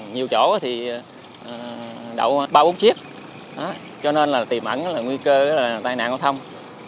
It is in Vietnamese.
nhiều chỗ thì đậu ba bốn chiếc cho nên tìm ẩn nguy cơ tai nạn giao thông